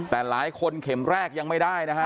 แต่หลายคนเข็มแรกยังไม่ได้นะฮะ